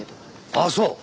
ああそう！